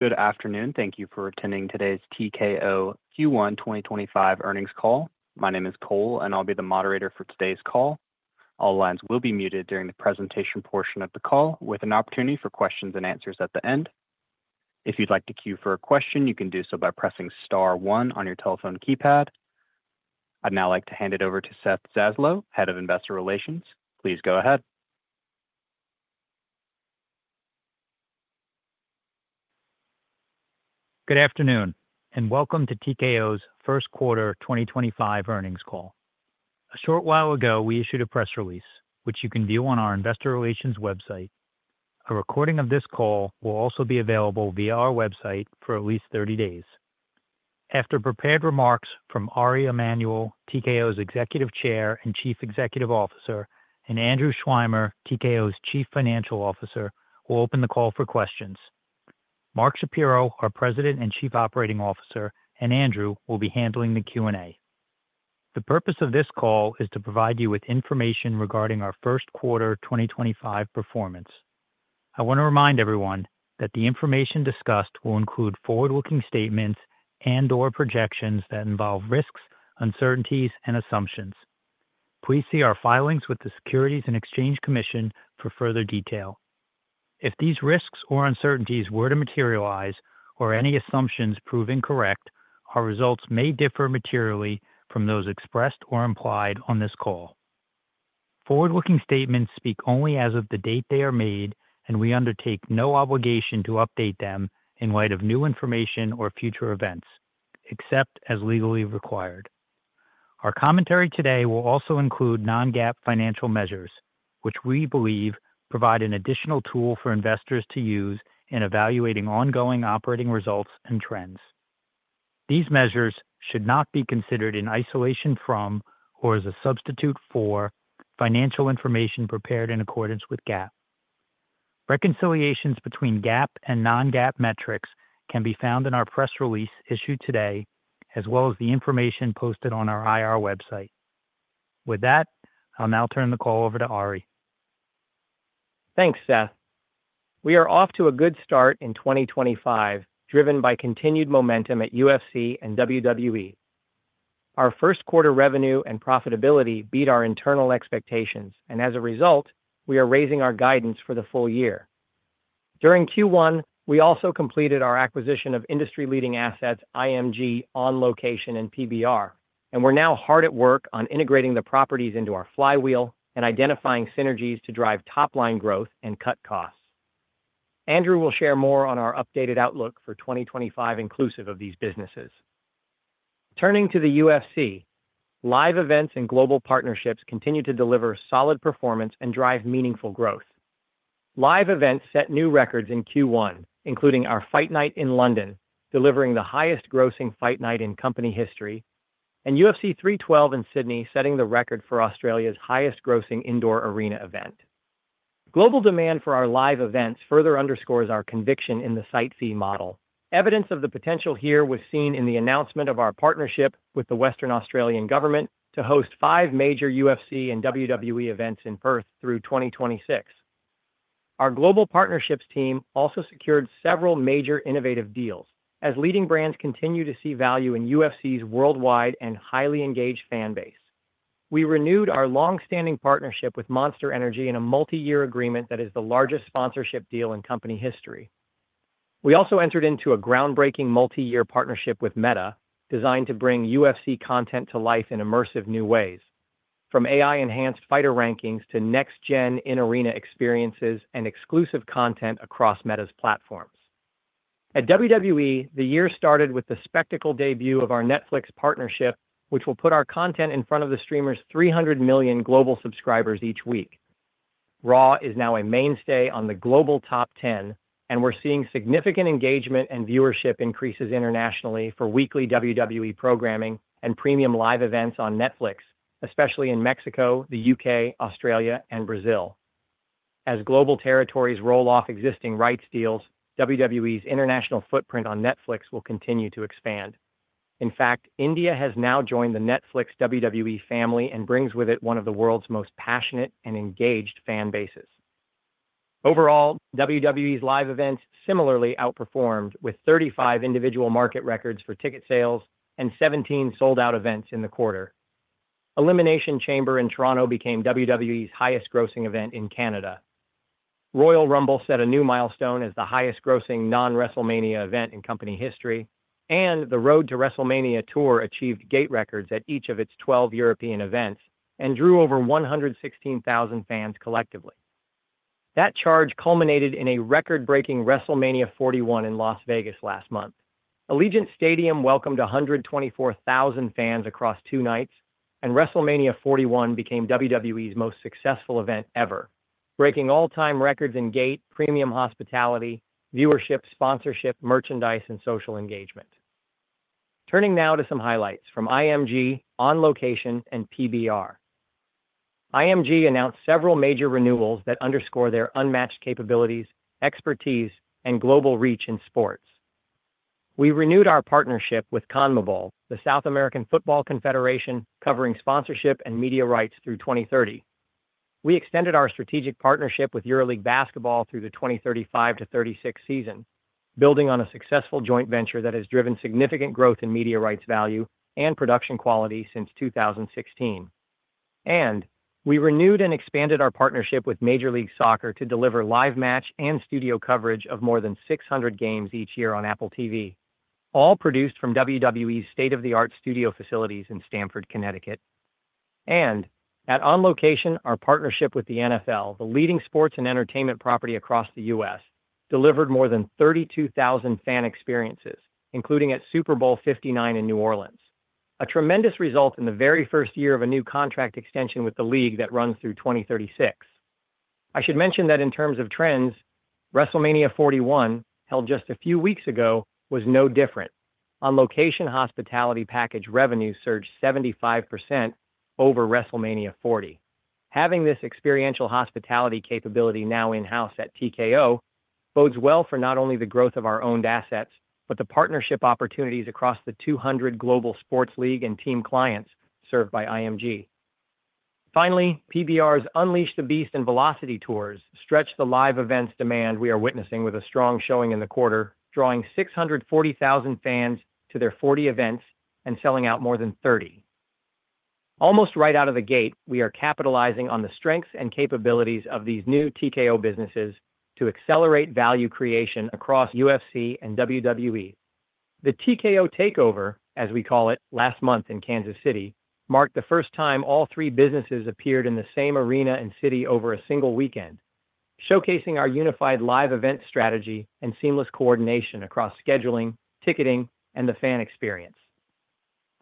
Good afternoon. Thank you for attending today's TKO Q1 2025 earnings call. My name is Seth and I'll be the moderator for today's call. All lines will be muted during the presentation portion of the call, with an opportunity for questions and answers at the end. If you'd like to queue for a question, you can do so by pressing star one on your telephone keypad. I'd now like to hand it over to Seth Zaslow, Head of Investor Relations. Please go ahead. Good afternoon, and welcome to TKO's first quarter 2025 earnings call. A short while ago, we issued a press release, which you can view on our Investor Relations website. A recording of this call will also be available via our website for at least 30 days. After prepared remarks from Ari Emanuel, TKO's Executive Chair and Chief Executive Officer, and Andrew Schleimer, TKO's Chief Financial Officer, will open the call for questions. Mark Shapiro, our President and Chief Operating Officer, and Andrew will be handling the Q&A. The purpose of this call is to provide you with information regarding our first quarter 2025 performance. I want to remind everyone that the information discussed will include forward-looking statements and/or projections that involve risks, uncertainties, and assumptions. Please see our filings with the Securities and Exchange Commission for further detail. If these risks or uncertainties were to materialize, or any assumptions prove incorrect, our results may differ materially from those expressed or implied on this call. Forward-looking statements speak only as of the date they are made, and we undertake no obligation to update them in light of new information or future events, except as legally required. Our commentary today will also include non-GAAP financial measures, which we believe provide an additional tool for investors to use in evaluating ongoing operating results and trends. These measures should not be considered in isolation from or as a substitute for financial information prepared in accordance with GAAP. Reconciliations between GAAP and non-GAAP metrics can be found in our press release issued today, as well as the information posted on our IR website. With that, I'll now turn the call over to Ari. Thanks, Seth. We are off to a good start in 2025, driven by continued momentum at UFC and WWE. Our first quarter revenue and profitability beat our internal expectations, and as a result, we are raising our guidance for the full year. During Q1, we also completed our acquisition of industry-leading assets IMG, On Location, and PBR, and we're now hard at work on integrating the properties into our flywheel and identifying synergies to drive top-line growth and cut costs. Andrew will share more on our updated outlook for 2025 inclusive of these businesses. Turning to the UFC, live events and global partnerships continue to deliver solid performance and drive meaningful growth. Live events set new records in Q1, including our Fight Night in London, delivering the highest grossing Fight Night in company history, and UFC 312 in Sydney setting the record for Australia's highest grossing indoor arena event. Global demand for our live events further underscores our conviction in the site fee model. Evidence of the potential here was seen in the announcement of our partnership with the Western Australian government to host five major UFC and WWE events in Perth through 2026. Our global partnerships team also secured several major innovative deals, as leading brands continue to see value in UFC's worldwide and highly engaged fan base. We renewed our long-standing partnership with Monster Energy in a multi-year agreement that is the largest sponsorship deal in company history. We also entered into a groundbreaking multi-year partnership with Meta, designed to bring UFC content to life in immersive new ways, from AI-enhanced fighter rankings to next-gen in-arena experiences and exclusive content across Meta's platforms. At WWE, the year started with the spectacular debut of our Netflix partnership, which will put our content in front of the streamer's 300 million global subscribers each week. Raw is now a mainstay on the global top 10, and we're seeing significant engagement and viewership increases internationally for weekly WWE programming and premium live events on Netflix, especially in Mexico, the U.K., Australia, and Brazil. As global territories roll off existing rights deals, WWE's international footprint on Netflix will continue to expand. In fact, India has now joined the Netflix WWE family and brings with it one of the world's most passionate and engaged fan bases. Overall, WWE's live events similarly outperformed, with 35 individual market records for ticket sales and 17 sold-out events in the quarter. Elimination Chamber in Toronto became WWE's highest-grossing event in Canada. Royal Rumble set a new milestone as the highest grossing non-WrestleMania event in company history, and the Road to WrestleMania Tour achieved gate records at each of its 12 European events and drew over 116,000 fans collectively. That charge culminated in a record-breaking WrestleMania 41 in Las Vegas last month. Allegiant Stadium welcomed 124,000 fans across two nights, and WrestleMania 41 became WWE's most successful event ever, breaking all-time records in gate, premium hospitality, viewership, sponsorship, merchandise, and social engagement. Turning now to some highlights from IMG, On Location, and PBR. IMG announced several major renewals that underscore their unmatched capabilities, expertise, and global reach in sports. We renewed our partnership with CONMEBOL, the South American Football Confederation, covering sponsorship and media rights through 2030. We extended our strategic partnership with EuroLeague Basketball through the 2035-2036 season, building on a successful joint venture that has driven significant growth in media rights value and production quality since 2016, and we renewed and expanded our partnership with Major League Soccer to deliver live match and studio coverage of more than 600 games each year on Apple TV, all produced from WWE's state-of-the-art studio facilities in Stamford, Connecticut, and at On Location, our partnership with the NFL, the leading sports and entertainment property across the U.S., delivered more than 32,000 fan experiences, including at Super Bowl LIX in New Orleans, a tremendous result in the very first year of a new contract extension with the league that runs through 2036. I should mention that in terms of trends, WrestleMania 41, held just a few weeks ago, was no different. On Location, hospitality package revenues surged 75% over WrestleMania 40. Having this experiential hospitality capability now in-house at TKO bodes well for not only the growth of our owned assets but the partnership opportunities across the 200 global sports league and team clients served by IMG. Finally, PBR's Unleash the Beast and Velocity Tours stretched the live events demand we are witnessing with a strong showing in the quarter, drawing 640,000 fans to their 40 events and selling out more than 30. Almost right out of the gate, we are capitalizing on the strengths and capabilities of these new TKO businesses to accelerate value creation across UFC and WWE. The TKO Takeover, as we call it, last month in Kansas City marked the first time all three businesses appeared in the same arena and city over a single weekend, showcasing our unified live event strategy and seamless coordination across scheduling, ticketing, and the fan experience.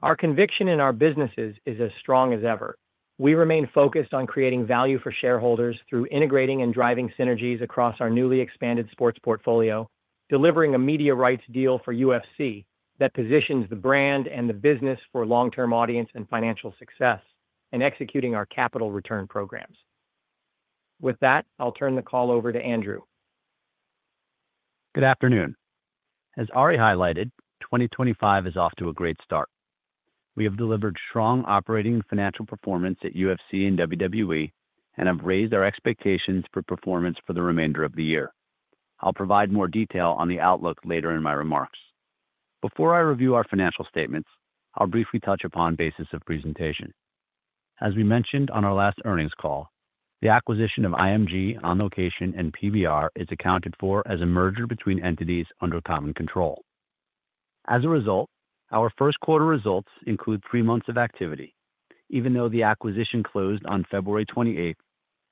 Our conviction in our businesses is as strong as ever. We remain focused on creating value for shareholders through integrating and driving synergies across our newly expanded sports portfolio, delivering a media rights deal for UFC that positions the brand and the business for long-term audience and financial success, and executing our capital return programs. With that, I'll turn the call over to Andrew. Good afternoon. As Ari highlighted, 2025 is off to a great start. We have delivered strong operating and financial performance at UFC and WWE and have raised our expectations for performance for the remainder of the year. I'll provide more detail on the outlook later in my remarks. Before I review our financial statements, I'll briefly touch upon basis of presentation. As we mentioned on our last earnings call, the acquisition of IMG, On Location, and PBR is accounted for as a merger between entities under common control. As a result, our first quarter results include three months of activity, even though the acquisition closed on February 28th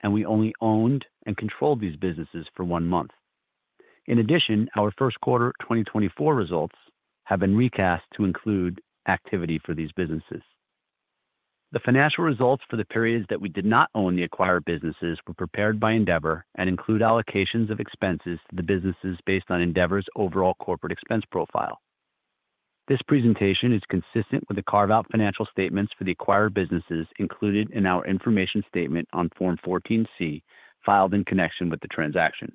and we only owned and controlled these businesses for one month. In addition, our first quarter 2024 results have been recast to include activity for these businesses. The financial results for the periods that we did not own the acquired businesses were prepared by Endeavor and include allocations of expenses to the businesses based on Endeavor's overall corporate expense profile. This presentation is consistent with the carve-out financial statements for the acquired businesses included in our information statement on Form 14C filed in connection with the transaction.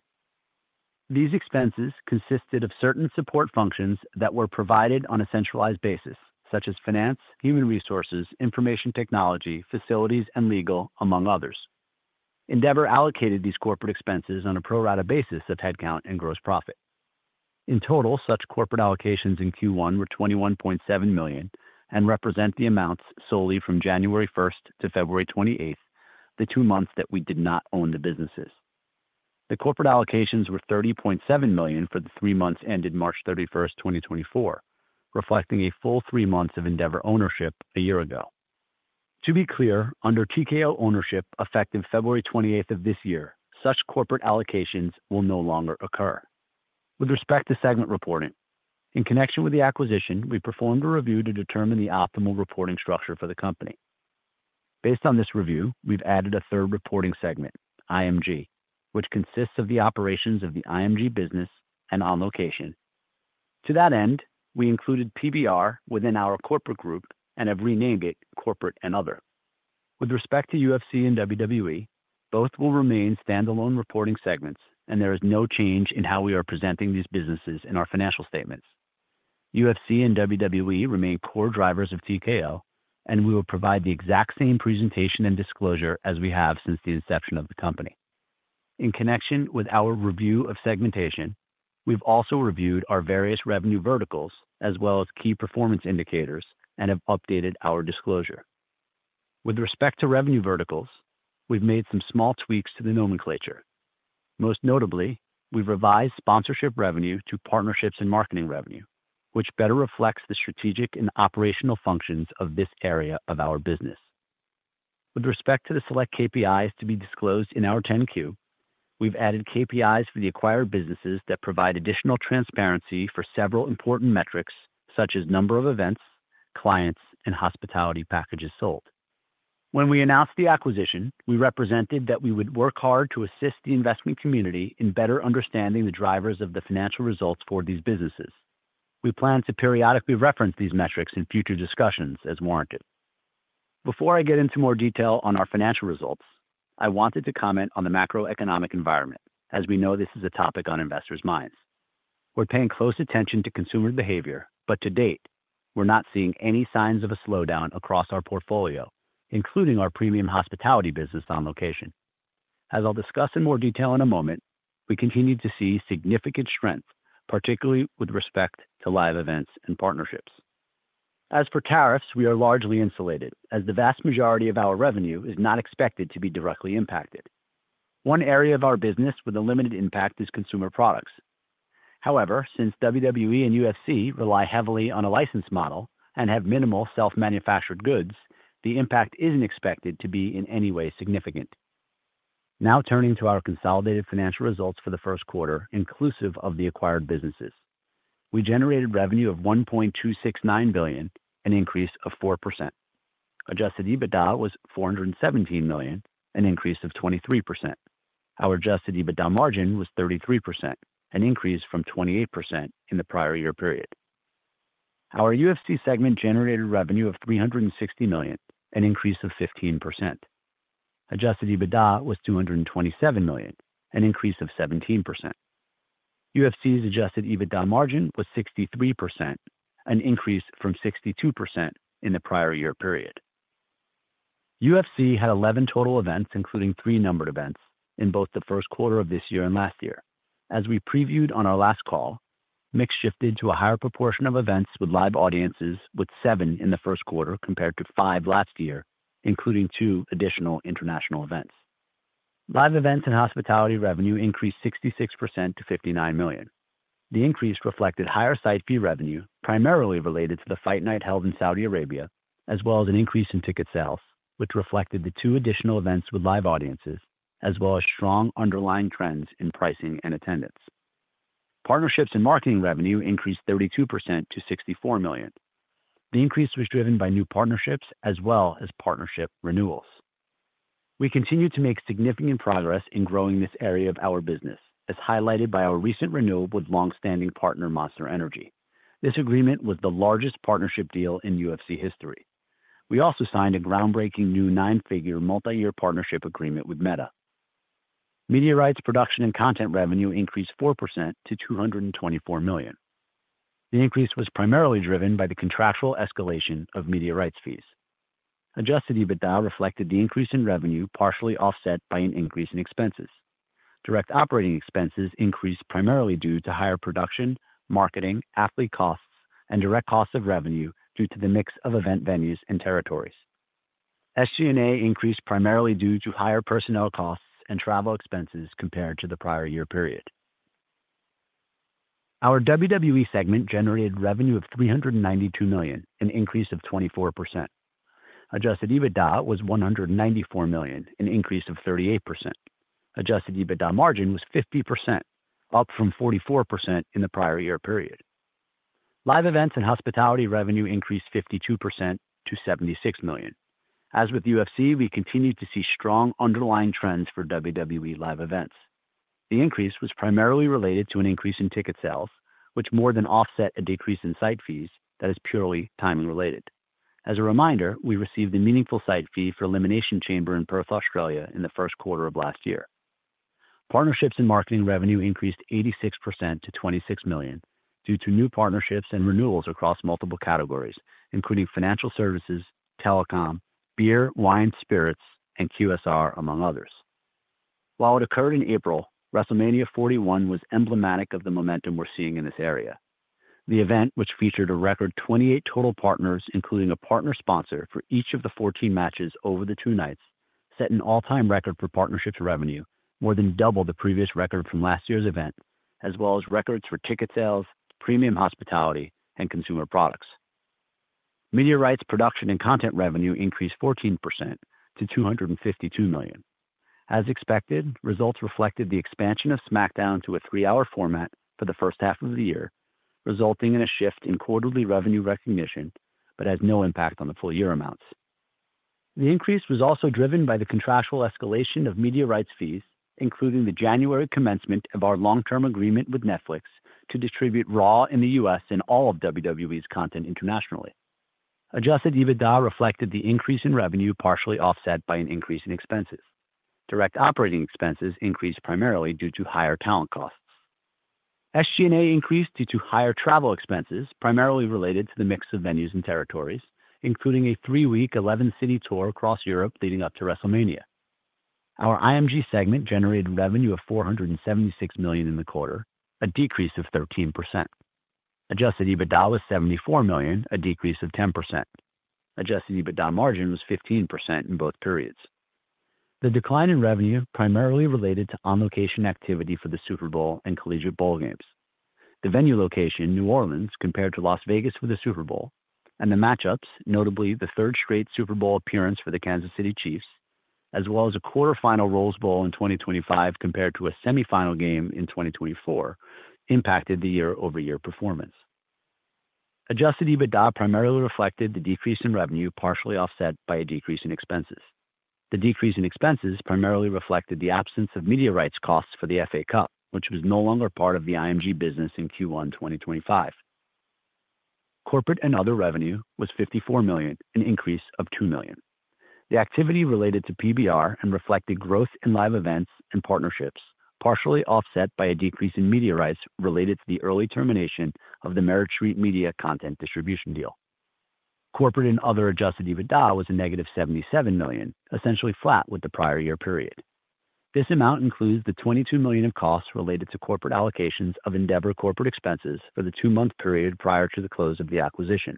These expenses consisted of certain support functions that were provided on a centralized basis, such as finance, human resources, information technology, facilities, and legal, among others. Endeavor allocated these corporate expenses on a pro rata basis of headcount and gross profit. In total, such corporate allocations in Q1 were $21.7 million and represent the amounts solely from January 1st to February 28th, the two months that we did not own the businesses. The corporate allocations were $30.7 million for the three months ended March 31st, 2024, reflecting a full three months of Endeavor ownership a year ago. To be clear, under TKO ownership effective February 28th of this year, such corporate allocations will no longer occur. With respect to segment reporting, in connection with the acquisition, we performed a review to determine the optimal reporting structure for the company. Based on this review, we've added a third reporting segment, IMG, which consists of the operations of the IMG business and On Location. To that end, we included PBR within our corporate group and have renamed it Corporate and Other. With respect to UFC and WWE, both will remain standalone reporting segments, and there is no change in how we are presenting these businesses in our financial statements. UFC and WWE remain core drivers of TKO, and we will provide the exact same presentation and disclosure as we have since the inception of the company. In connection with our review of segmentation, we've also reviewed our various revenue verticals as well as key performance indicators and have updated our disclosure. With respect to revenue verticals, we've made some small tweaks to the nomenclature. Most notably, we've revised sponsorship revenue to partnerships and marketing revenue, which better reflects the strategic and operational functions of this area of our business. With respect to the select KPIs to be disclosed in our 10-Q, we've added KPIs for the acquired businesses that provide additional transparency for several important metrics, such as number of events, clients, and hospitality packages sold. When we announced the acquisition, we represented that we would work hard to assist the investment community in better understanding the drivers of the financial results for these businesses. We plan to periodically reference these metrics in future discussions as warranted. Before I get into more detail on our financial results, I wanted to comment on the macroeconomic environment, as we know this is a topic on investors' minds. We're paying close attention to consumer behavior, but to date, we're not seeing any signs of a slowdown across our portfolio, including our premium hospitality business On Location. As I'll discuss in more detail in a moment, we continue to see significant strength, particularly with respect to live events and partnerships. As for tariffs, we are largely insulated, as the vast majority of our revenue is not expected to be directly impacted. One area of our business with a limited impact is consumer products. However, since WWE and UFC rely heavily on a licensed model and have minimal self-manufactured goods, the impact isn't expected to be in any way significant. Now turning to our consolidated financial results for the first quarter, inclusive of the acquired businesses, we generated revenue of $1.269 billion, an increase of 4%. Adjusted EBITDA was $417 million, an increase of 23%. Our adjusted EBITDA margin was 33%, an increase from 28% in the prior year period. Our UFC segment generated revenue of $360 million, an increase of 15%. Adjusted EBITDA was $227 million, an increase of 17%. UFC's adjusted EBITDA margin was 63%, an increase from 62% in the prior year period. UFC had 11 total events, including three numbered events, in both the first quarter of this year and last year. As we previewed on our last call, IMG shifted to a higher proportion of events with live audiences, with seven in the first quarter compared to five last year, including two additional international events. Live events and hospitality revenue increased 66% to $59 million. The increase reflected higher site fee revenue, primarily related to the Fight Night held in Saudi Arabia, as well as an increase in ticket sales, which reflected the two additional events with live audiences, as well as strong underlying trends in pricing and attendance. Partnerships and marketing revenue increased 32% to $64 million. The increase was driven by new partnerships as well as partnership renewals. We continue to make significant progress in growing this area of our business, as highlighted by our recent renewal with long-standing partner Monster Energy. This agreement was the largest partnership deal in UFC history. We also signed a groundbreaking new nine-figure multi-year partnership agreement with Meta. Media rights, production, and content revenue increased 4% to $224 million. The increase was primarily driven by the contractual escalation of media rights fees. Adjusted EBITDA reflected the increase in revenue, partially offset by an increase in expenses. Direct operating expenses increased primarily due to higher production, marketing, athlete costs, and direct costs of revenue due to the mix of event venues and territories. SG&A increased primarily due to higher personnel costs and travel expenses compared to the prior year period. Our WWE segment generated revenue of $392 million, an increase of 24%. Adjusted EBITDA was $194 million, an increase of 38%. Adjusted EBITDA margin was 50%, up from 44% in the prior year period. Live events and hospitality revenue increased 52% to $76 million. As with UFC, we continue to see strong underlying trends for WWE live events. The increase was primarily related to an increase in ticket sales, which more than offset a decrease in site fees that is purely timing related. As a reminder, we received a meaningful site fee for Elimination Chamber in Perth, Australia, in the first quarter of last year. Partnerships and marketing revenue increased 86% to $26 million due to new partnerships and renewals across multiple categories, including financial services, telecom, beer, wine, spirits, and QSR, among others. While it occurred in April, WrestleMania 41 was emblematic of the momentum we're seeing in this area. The event, which featured a record 28 total partners, including a partner sponsor for each of the 14 matches over the two nights, set an all-time record for partnerships revenue, more than double the previous record from last year's event, as well as records for ticket sales, premium hospitality, and consumer products. Media rights, production, and content revenue increased 14% to $252 million. As expected, results reflected the expansion of SmackDown to a three-hour format for the first half of the year, resulting in a shift in quarterly revenue recognition but has no impact on the full-year amounts. The increase was also driven by the contractual escalation of media rights fees, including the January commencement of our long-term agreement with Netflix to distribute Raw in the U.S. and all of WWE's content internationally. Adjusted EBITDA reflected the increase in revenue, partially offset by an increase in expenses. Direct operating expenses increased primarily due to higher talent costs. SG&A increased due to higher travel expenses, primarily related to the mix of venues and territories, including a three-week, 11-city tour across Europe leading up to WrestleMania. Our IMG segment generated revenue of $476 million in the quarter, a decrease of 13%. Adjusted EBITDA was $74 million, a decrease of 10%. Adjusted EBITDA margin was 15% in both periods. The decline in revenue primarily related to On Location activity for the Super Bowl and collegiate bowl games. The venue location in New Orleans compared to Las Vegas for the Super Bowl, and the matchups, notably the third straight Super Bowl appearance for the Kansas City Chiefs, as well as a quarterfinal Rose Bowl in 2025 compared to a semifinal game in 2024, impacted the year-over-year performance. Adjusted EBITDA primarily reflected the decrease in revenue, partially offset by a decrease in expenses. The decrease in expenses primarily reflected the absence of media rights costs for the FA Cup, which was no longer part of the IMG business in Q1 2025. Corporate and Other revenue was $54 million, an increase of $2 million. The activity related to PBR and reflected growth in live events and partnerships, partially offset by a decrease in media rights related to the early termination of the Merit Street Media content distribution deal. Corporate and Other adjusted EBITDA was a -$77 million, essentially flat with the prior year period. This amount includes the $22 million of costs related to corporate allocations of Endeavor corporate expenses for the two-month period prior to the close of the acquisition.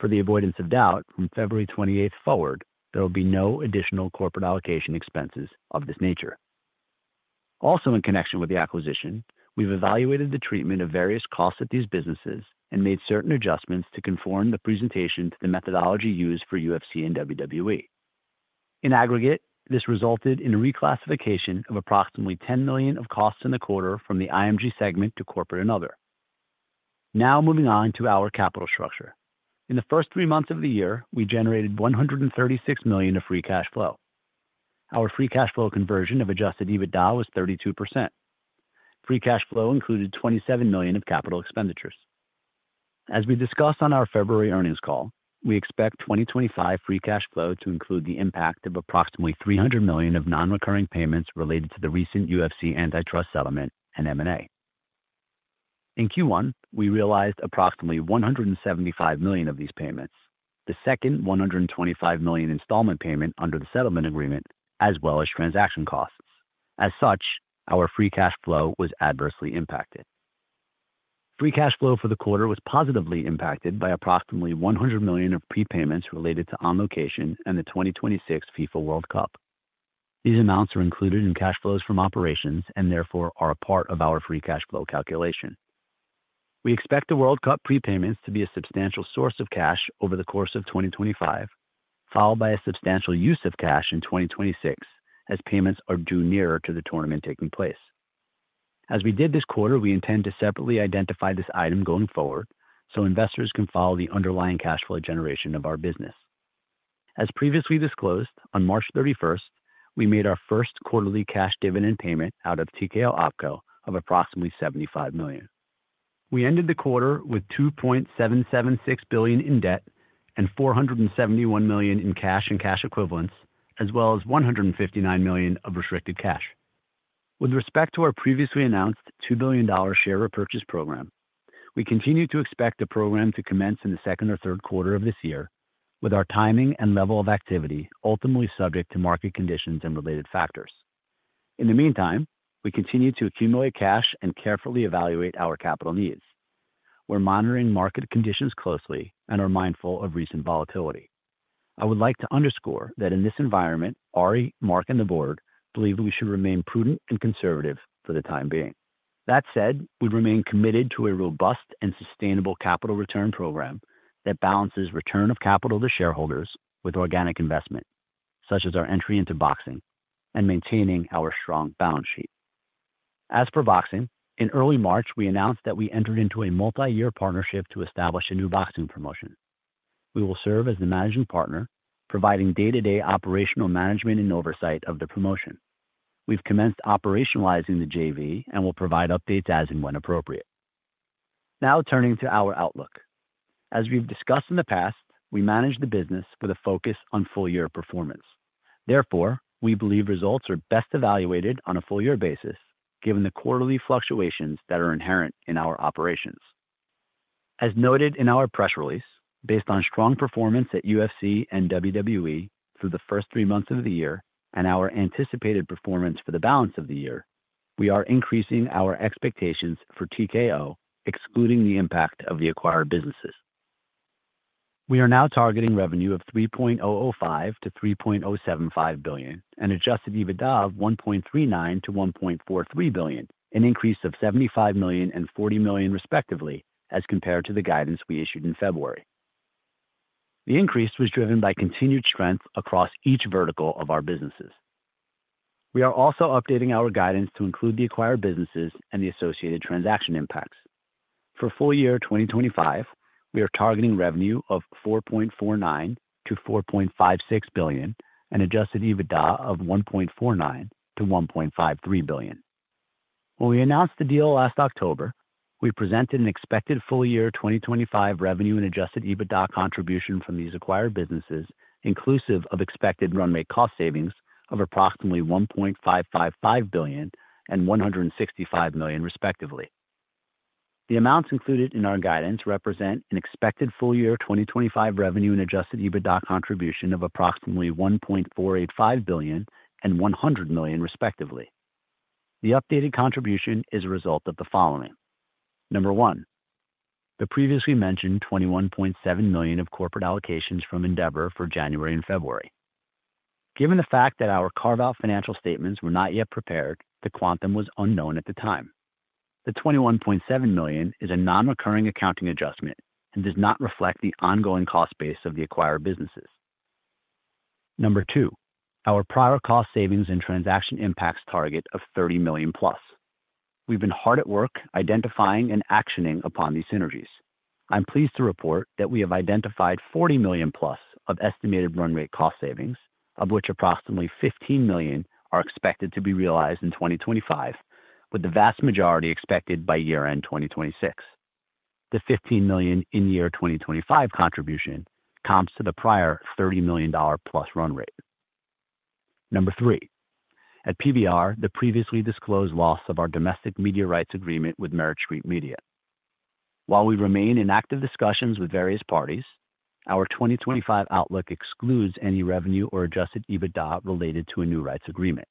For the avoidance of doubt, from February 28th forward, there will be no additional corporate allocation expenses of this nature. Also, in connection with the acquisition, we've evaluated the treatment of various costs at these businesses and made certain adjustments to conform the presentation to the methodology used for UFC and WWE. In aggregate, this resulted in a reclassification of approximately $10 million of costs in the quarter from the IMG segment to Corporate and Other. Now moving on to our capital structure. In the first three months of the year, we generated $136 million of free cash flow. Our free cash flow conversion of Adjusted EBITDA was 32%. Free cash flow included $27 million of capital expenditures. As we discussed on our February earnings call, we expect 2025 free cash flow to include the impact of approximately $300 million of non-recurring payments related to the recent UFC antitrust settlement and M&A. In Q1, we realized approximately $175 million of these payments, the second $125 million installment payment under the settlement agreement, as well as transaction costs. As such, our free cash flow was adversely impacted. Free cash flow for the quarter was positively impacted by approximately $100 million of prepayments related to On Location and the 2026 FIFA World Cup. These amounts are included in cash flows from operations and therefore are a part of our free cash flow calculation. We expect the World Cup prepayments to be a substantial source of cash over the course of 2025, followed by a substantial use of cash in 2026, as payments are due nearer to the tournament taking place. As we did this quarter, we intend to separately identify this item going forward so investors can follow the underlying cash flow generation of our business. As previously disclosed, on March 31st, we made our first quarterly cash dividend payment out of TKO OpCo of approximately $75 million. We ended the quarter with $2.776 billion in debt and $471 million in cash and cash equivalents, as well as $159 million of restricted cash. With respect to our previously announced $2 billion share repurchase program, we continue to expect the program to commence in the second or third quarter of this year, with our timing and level of activity ultimately subject to market conditions and related factors. In the meantime, we continue to accumulate cash and carefully evaluate our capital needs. We're monitoring market conditions closely and are mindful of recent volatility. I would like to underscore that in this environment, Ari, Mark, and the board believe we should remain prudent and conservative for the time being. That said, we remain committed to a robust and sustainable capital return program that balances return of capital to shareholders with organic investment, such as our entry into boxing and maintaining our strong balance sheet. As for boxing, in early March, we announced that we entered into a multi-year partnership to establish a new boxing promotion. We will serve as the managing partner, providing day-to-day operational management and oversight of the promotion. We've commenced operationalizing the JV and will provide updates as and when appropriate. Now turning to our outlook. As we've discussed in the past, we manage the business with a focus on full-year performance. Therefore, we believe results are best evaluated on a full-year basis, given the quarterly fluctuations that are inherent in our operations. As noted in our press release, based on strong performance at UFC and WWE through the first three months of the year and our anticipated performance for the balance of the year, we are increasing our expectations for TKO, excluding the impact of the acquired businesses. We are now targeting revenue of $3.005 billion-$3.075 billion and Adjusted EBITDA of $1.39 billion-$1.43 billion, an increase of $75 million and $40 million, respectively, as compared to the guidance we issued in February. The increase was driven by continued strength across each vertical of our businesses. We are also updating our guidance to include the acquired businesses and the associated transaction impacts. For full-year 2025, we are targeting revenue of $4.49 billion-$4.56 billion and Adjusted EBITDA of $1.49 billion-$1.53 billion. When we announced the deal last October, we presented an expected full-year 2025 revenue and adjusted EBITDA contribution from these acquired businesses, inclusive of expected run rate cost savings of approximately $1.555 billion and $165 million, respectively. The amounts included in our guidance represent an expected full-year 2025 revenue and adjusted EBITDA contribution of approximately $1.485 billion and $100 million, respectively. The updated contribution is a result of the following: Number one, the previously mentioned $21.7 million of corporate allocations from Endeavor for January and February. Given the fact that our carve-out financial statements were not yet prepared, the quantum was unknown at the time. The $21.7 million is a non-recurring accounting adjustment and does not reflect the ongoing cost base of the acquired businesses. Number two, our prior cost savings and transaction impacts target of $30 million+. We've been hard at work identifying and actioning upon these synergies. I'm pleased to report that we have identified $40 million+ of estimated run rate cost savings, of which approximately $15 million are expected to be realized in 2025, with the vast majority expected by year-end 2026. The $15 million in year 2025 contribution comps to the prior $30 million plus run rate. Number three, at PBR, the previously disclosed loss of our domestic media rights agreement with Merritt Street Media. While we remain in active discussions with various parties, our 2025 outlook excludes any revenue or Adjusted EBITDA related to a new rights agreement.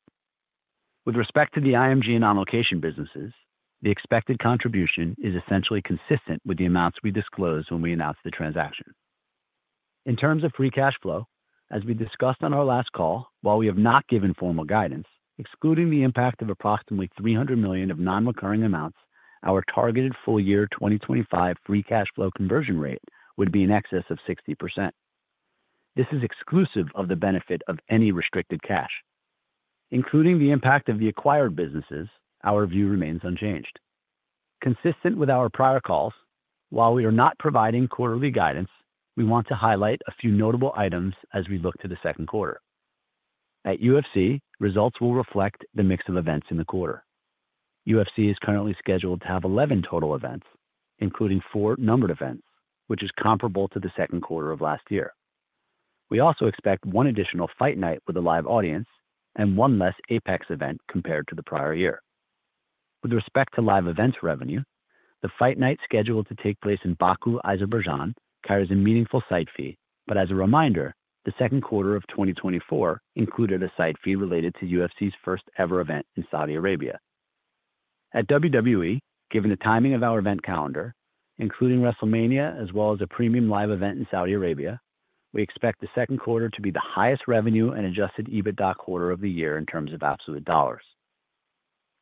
With respect to the IMG and On Location businesses, the expected contribution is essentially consistent with the amounts we disclose when we announce the transaction. In terms of free cash flow, as we discussed on our last call, while we have not given formal guidance, excluding the impact of approximately $300 million of non-recurring amounts, our targeted full-year 2025 free cash flow conversion rate would be in excess of 60%. This is exclusive of the benefit of any restricted cash. Including the impact of the acquired businesses, our view remains unchanged. Consistent with our prior calls, while we are not providing quarterly guidance, we want to highlight a few notable items as we look to the second quarter. At UFC, results will reflect the mix of events in the quarter. UFC is currently scheduled to have 11 total events, including four Numbered Events, which is comparable to the second quarter of last year. We also expect one additional Fight Night with a live audience and one less APEX event compared to the prior year. With respect to live events revenue, the fight night scheduled to take place in Baku, Azerbaijan, carries a meaningful site fee, but as a reminder, the second quarter of 2024 included a site fee related to UFC's first-ever event in Saudi Arabia. At WWE, given the timing of our event calendar, including WrestleMania as well as a premium live event in Saudi Arabia, we expect the second quarter to be the highest revenue and Adjusted EBITDA quarter of the year in terms of absolute dollars.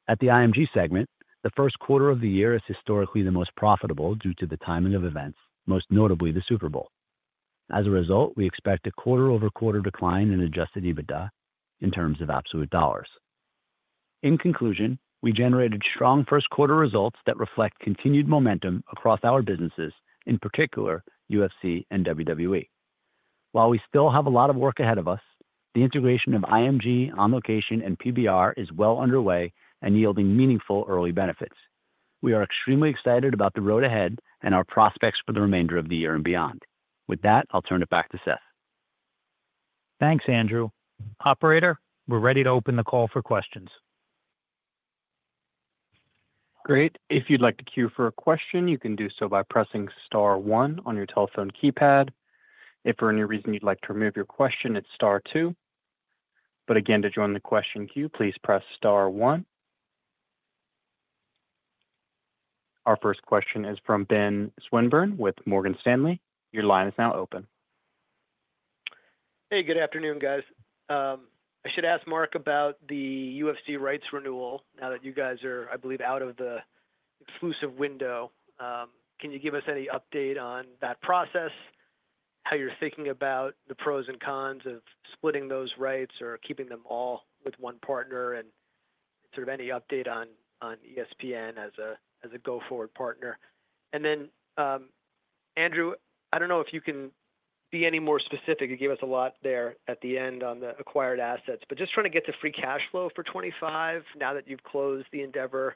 At the IMG segment, the first quarter of the year is historically the most profitable due to the timing of events, most notably the Super Bowl. As a result, we expect a quarter-over-quarter decline in Adjusted EBITDA in terms of absolute dollars. In conclusion, we generated strong first-quarter results that reflect continued momentum across our businesses, in particular UFC and WWE. While we still have a lot of work ahead of us, the integration of IMG, On Location, and PBR is well underway and yielding meaningful early benefits. We are extremely excited about the road ahead and our prospects for the remainder of the year and beyond. With that, I'll turn it back to Seth. Thanks, Andrew. Operator, we're ready to open the call for questions. Great. If you'd like to queue for a question, you can do so by pressing star one on your telephone keypad. If for any reason you'd like to remove your question, it's star two. But again, to join the question queue, please press star one. Our first question is from Ben Swinburne with Morgan Stanley. Your line is now open. Hey, good afternoon, guys. I should ask Mark about the UFC rights renewal now that you guys are, I believe, out of the exclusive window. Can you give us any update on that process, how you're thinking about the pros and cons of splitting those rights or keeping them all with one partner, and sort of any update on ESPN as a go-forward partner? And then, Andrew, I don't know if you can be any more specific. You gave us a lot there at the end on the acquired assets, but just trying to get to free cash flow for 2025 now that you've closed the Endeavor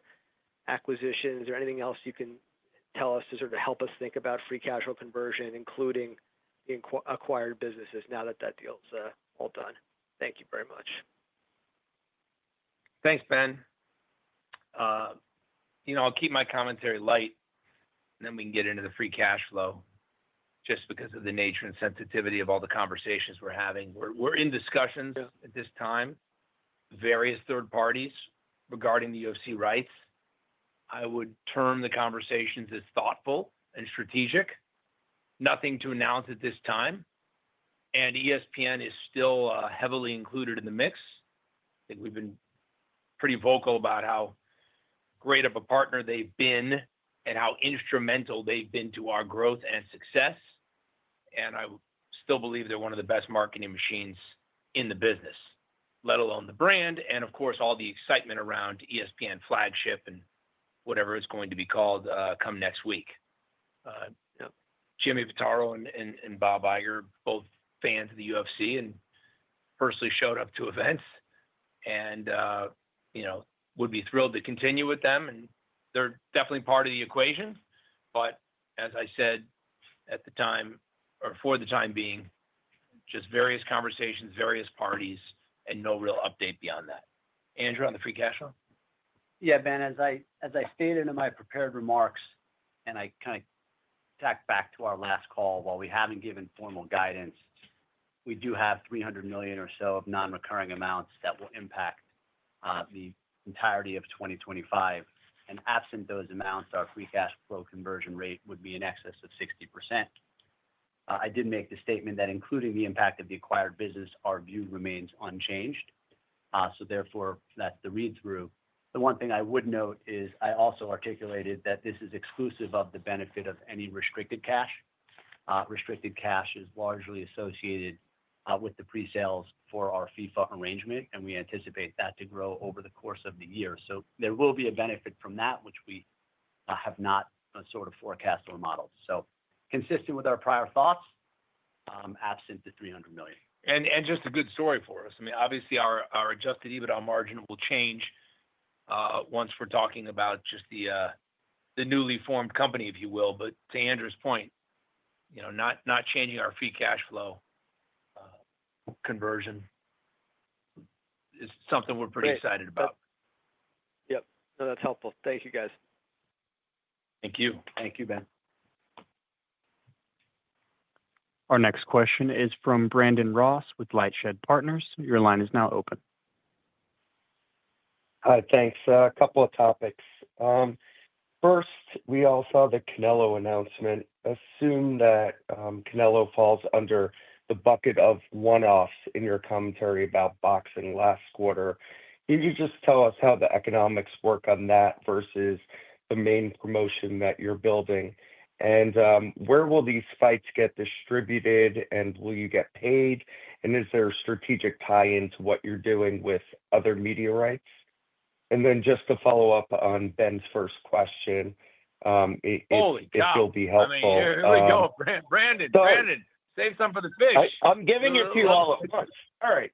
acquisitions. Is there anything else you can tell us to sort of help us think about free cash flow conversion, including the acquired businesses now that that deal's all done? Thank you very much. Thanks, Ben. I'll keep my commentary light, and then we can get into the free cash flow just because of the nature and sensitivity of all the conversations we're having. We're in discussions at this time, various third parties regarding the UFC rights. I would term the conversations as thoughtful and strategic, nothing to announce at this time. ESPN is still heavily included in the mix. I think we've been pretty vocal about how great of a partner they've been and how instrumental they've been to our growth and success. I still believe they're one of the best marketing machines in the business, let alone the brand, and of course, all the excitement around ESPN Flagship and whatever it's going to be called come next week. Jimmy Pitaro and Bob Iger, both fans of the UFC and personally showed up to events and would be thrilled to continue with them. They're definitely part of the equation. But as I said at the time or for the time being, just various conversations, various parties, and no real update beyond that. Andrew, on the free cash flow? Yeah, Ben, as I stated in my prepared remarks and I kind of take back to our last call, while we haven't given formal guidance, we do have $300 million or so of non-recurring amounts that will impact the entirety of 2025. And absent those amounts, our free cash flow conversion rate would be in excess of 60%. I did make the statement that including the impact of the acquired business, our view remains unchanged. So therefore, that's the read-through. The one thing I would note is I also articulated that this is exclusive of the benefit of any restricted cash. Restricted cash is largely associated with the pre-sales for our FIFA arrangement, and we anticipate that to grow over the course of the year. So there will be a benefit from that, which we have not sort of forecast or modeled. So consistent with our prior thoughts, absent the $300 million. And just a good story for us. I mean, obviously, our Adjusted EBITDA margin will change once we're talking about just the newly formed company, if you will. But to Andrew's point, not changing our free cash flow conversion is something we're pretty excited about. Yep. No, that's helpful. Thank you, guys. Thank you. Thank you, Ben. Our next question is from Brandon Ross with LightShed Partners. Your line is now open. Hi, thanks. A couple of topics. First, we all saw the Canelo announcement. Assume that Canelo falls under the bucket of one-offs in your commentary about boxing last quarter. Can you just tell us how the economics work on that versus the main promotion that you're building? And where will these fights get distributed, and will you get paid? And is there a strategic tie-in to what you're doing with other media rights? And then just to follow up on Ben's first question, if you'll be helpful. Oh, yeah. Brandon, Brandon, save some for the fish. I'm giving it to you all at once. All right.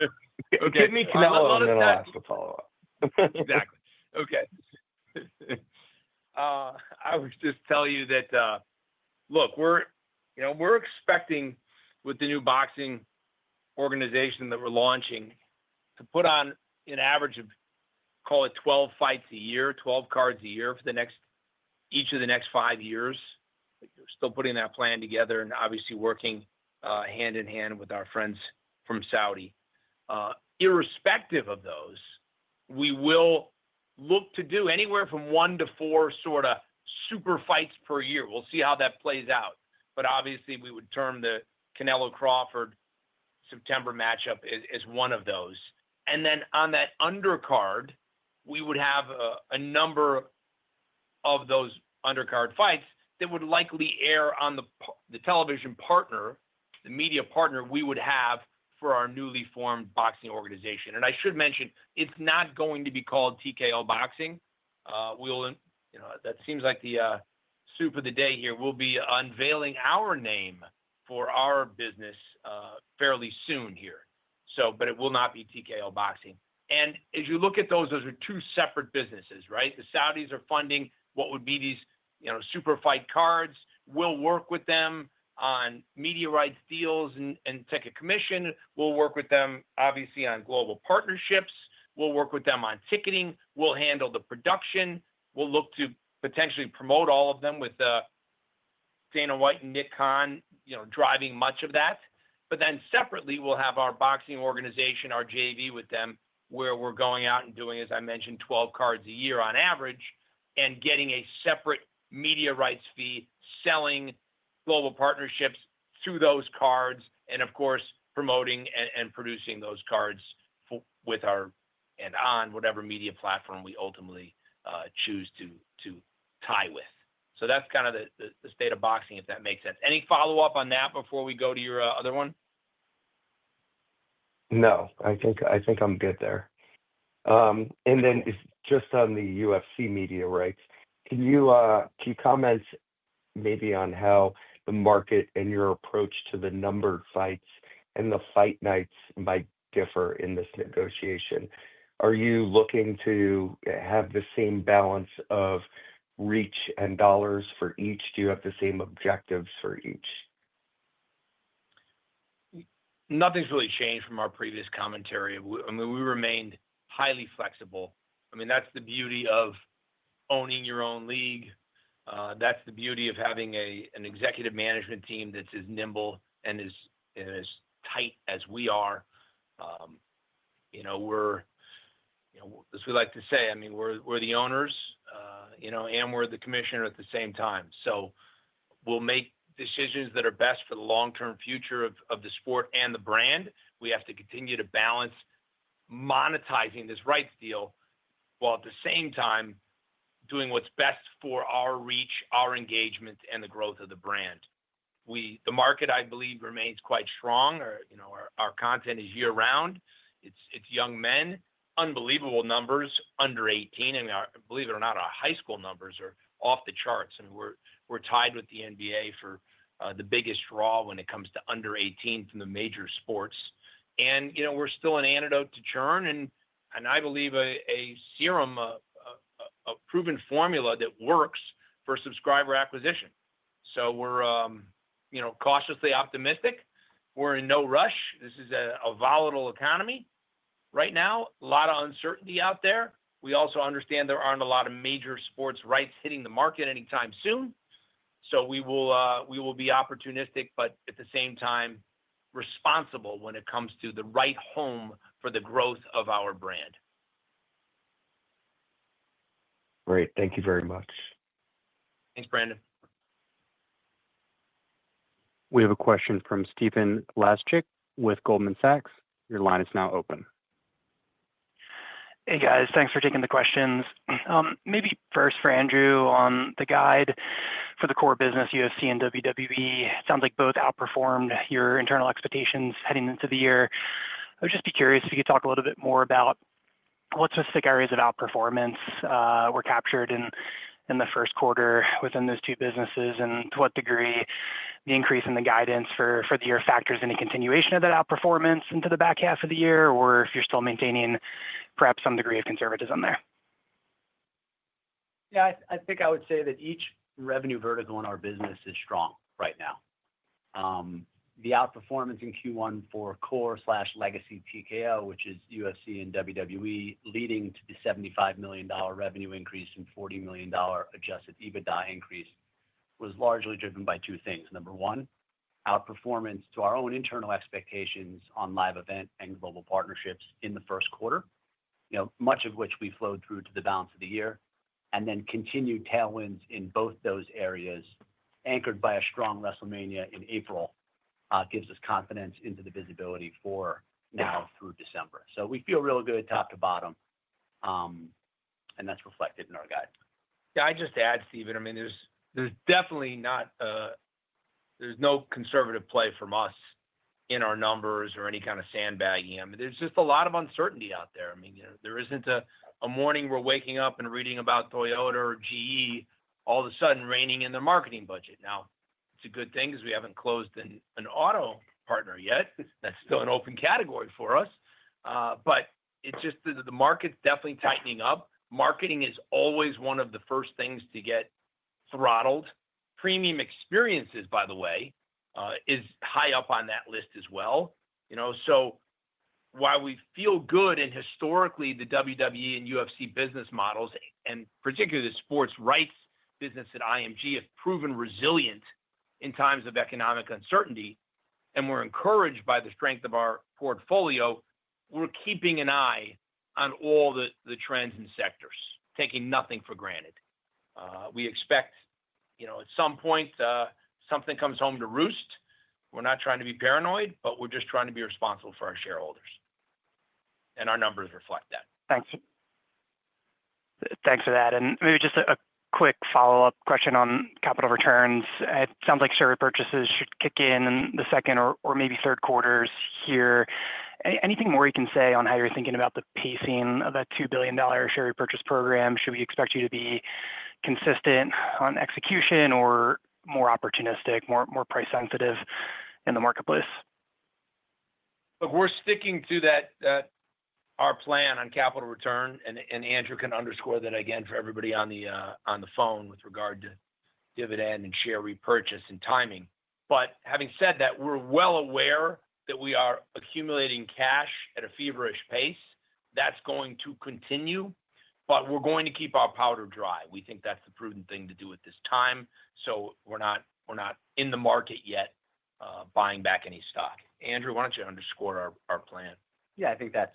Give me Canelo and then I'll ask a follow-up. Exactly. Okay. I was just telling you that, look, we're expecting with the new boxing organization that we're launching to put on an average of, call it 12 fights a year, 12 cards a year for each of the next five years. We're still putting that plan together and obviously working hand in hand with our friends from Saudi. Irrespective of those, we will look to do anywhere from one to four sort of super fights per year. We'll see how that plays out, but obviously, we would term the Canelo Álvarez-Crawford September matchup as one of those, and then on that undercard, we would have a number of those undercard fights that would likely air on the television partner, the media partner we would have for our newly formed boxing organization, and I should mention, it's not going to be called TKO Boxing. That seems like the soup of the day here. We'll be unveiling our name for our business fairly soon here, but it will not be TKO Boxing, and as you look at those, those are two separate businesses, right? The Saudis are funding what would be these super fight cards. We'll work with them on media rights deals and take a commission. We'll work with them, obviously, on global partnerships. We'll work with them on ticketing. We'll handle the production. We'll look to potentially promote all of them with Dana White and Nick Khan driving much of that. But then separately, we'll have our boxing organization, our JV with them, where we're going out and doing, as I mentioned, 12 cards a year on average and getting a separate media rights fee, selling global partnerships through those cards, and of course, promoting and producing those cards with our and on whatever media platform we ultimately choose to tie with. So that's kind of the state of boxing, if that makes sense. Any follow-up on that before we go to your other one? No, I think I'm good there. Just on the UFC media rights, can you keep comments maybe on how the market and your approach to the numbered fights and the Fight Nights might differ in this negotiation? Are you looking to have the same balance of reach and dollars for each? Do you have the same objectives for each? Nothing's really changed from our previous commentary. I mean, we remained highly flexible. I mean, that's the beauty of owning your own league. That's the beauty of having an executive management team that's as nimble and as tight as we are. We're, as we like to say, I mean, we're the owners, and we're the commissioner at the same time. So we'll make decisions that are best for the long-term future of the sport and the brand. We have to continue to balance monetizing this rights deal while at the same time doing what's best for our reach, our engagement, and the growth of the brand. The market, I believe, remains quite strong. Our content is year-round. It's young men, unbelievable numbers, under 18. And believe it or not, our high school numbers are off the charts. I mean, we're tied with the NBA for the biggest draw when it comes to under 18 from the major sports. And we're still an antidote to churn and, I believe, a serum, a proven formula that works for subscriber acquisition. So we're cautiously optimistic. We're in no rush. This is a volatile economy right now. A lot of uncertainty out there. We also understand there aren't a lot of major sports rights hitting the market anytime soon. So we will be opportunistic, but at the same time, responsible when it comes to the right home for the growth of our brand. Great. Thank you very much. Thanks, Brandon. We have a question from Stephen Laszczyk with Goldman Sachs. Your line is now open. Hey, guys. Thanks for taking the questions. Maybe first for Andrew on the guidance for the core business, UFC and WWE. It sounds like both outperformed your internal expectations heading into the year. I would just be curious if you could talk a little bit more about what specific areas of outperformance were captured in the first quarter within those two businesses and to what degree the increase in the guidance for the year factors in a continuation of that outperformance into the back half of the year or if you're still maintaining perhaps some degree of conservatism there. Yeah, I think I would say that each revenue vertical in our business is strong right now. The outperformance in Q1 for core/legacy TKO, which is UFC and WWE, leading to the $75 million revenue increase and $40 million Adjusted EBITDA increase was largely driven by two things. Number one, outperformance to our own internal expectations on live event and global partnerships in the first quarter, much of which we flowed through to the balance of the year. And then continued tailwinds in both those areas, anchored by a strong WrestleMania in April, gives us confidence into the visibility for now through December. So we feel real good top to bottom, and that's reflected in our guide. Yeah, I'd just add, Stephen, I mean, there's definitely no conservative play from us in our numbers or any kind of sandbagging. I mean, there's just a lot of uncertainty out there. I mean, there isn't a morning we're waking up and reading about Toyota or GE all of a sudden reining in their marketing budget. Now, it's a good thing because we haven't closed an auto partner yet. That's still an open category for us. But it's just the market's definitely tightening up. Marketing is always one of the first things to get throttled. Premium experiences, by the way, is high up on that list as well. So while we feel good in historically the WWE and UFC business models, and particularly the sports rights business at IMG, have proven resilient in times of economic uncertainty, and we're encouraged by the strength of our portfolio, we're keeping an eye on all the trends and sectors, taking nothing for granted. We expect at some point something comes home to roost. We're not trying to be paranoid, but we're just trying to be responsible for our shareholders, and our numbers reflect that. Thanks. Thanks for that, and maybe just a quick follow-up question on capital returns. It sounds like share repurchases should kick in in the second or maybe third quarters here. Anything more you can say on how you're thinking about the pacing of that $2 billion share repurchase program? Should we expect you to be consistent on execution or more opportunistic, more price-sensitive in the marketplace? Look, we're sticking to our plan on capital return, and Andrew can underscore that again for everybody on the phone with regard to dividend and share repurchase and timing, but having said that, we're well aware that we are accumulating cash at a feverish pace. That's going to continue, but we're going to keep our powder dry. We think that's the prudent thing to do at this time. So we're not in the market yet buying back any stock. Andrew, why don't you underscore our plan? Yeah, I think that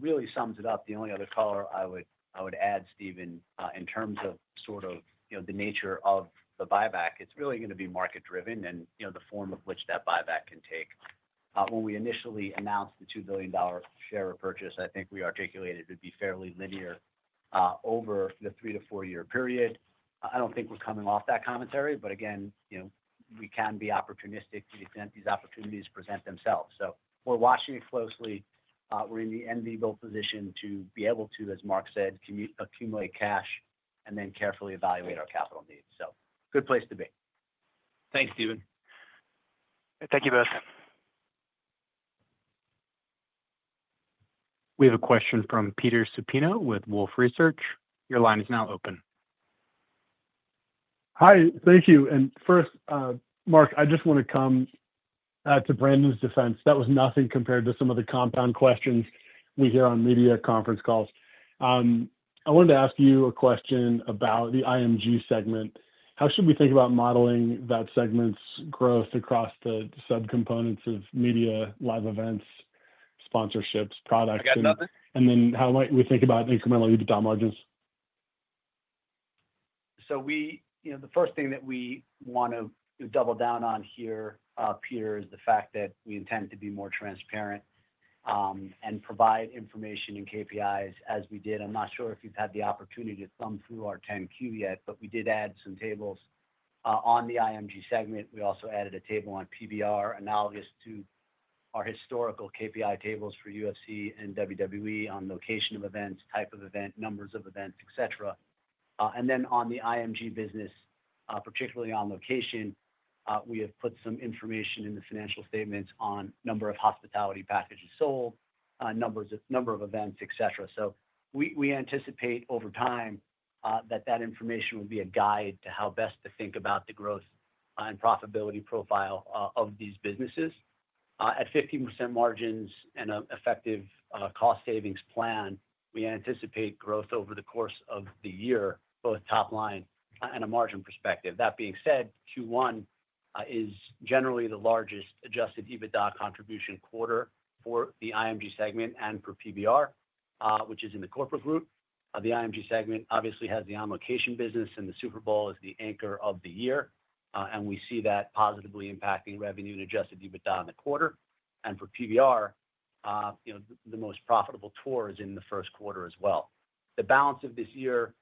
really sums it up. The only other color I would add, Stephen, in terms of sort of the nature of the buyback, it's really going to be market-driven and the form of which that buyback can take. When we initially announced the $2 billion share repurchase, I think we articulated it would be fairly linear over the three- to four-year period. I don't think we're coming off that commentary. But again, we can be opportunistic to the extent these opportunities present themselves. So we're watching it closely. We're in the enviable position to be able to, as Mark said, accumulate cash and then carefully evaluate our capital needs. So good place to be. Thanks, Stephen. Thank you both. We have a question from Peter Supino with Wolfe Research. Your line is now open. Hi. Thank you. And first, Mark, I just want to come to Brandon's defense. That was nothing compared to some of the compound questions we hear on media conference calls. I wanted to ask you a question about the IMG segment. How should we think about modeling that segment's growth across the subcomponents of media, live events, sponsorships, products? And then how might we think about incremental EBITDA margins? So the first thing that we want to double down on here, Peter, is the fact that we intend to be more transparent and provide information and KPIs as we did. I'm not sure if you've had the opportunity to thumb through our 10-Q yet, but we did add some tables on the IMG segment. We also added a table on PBR analogous to our historical KPI tables for UFC and WWE on location of events, type of event, numbers of events, etc., and then on the IMG business, particularly On Location, we have put some information in the financial statements on number of hospitality packages sold, number of events, etc., so we anticipate over time that that information will be a guide to how best to think about the growth and profitability profile of these businesses. At 15% margins and an effective cost savings plan, we anticipate growth over the course of the year, both top line and a margin perspective. That being said, Q1 is generally the largest Adjusted EBITDA contribution quarter for the IMG segment and for PBR, which is in the corporate group. The IMG segment obviously has the On Location business, and the Super Bowl is the anchor of the year. We see that positively impacting revenue and adjusted EBITDA in the quarter. For PBR, the most profitable tour is in the first quarter as well. The balance of this year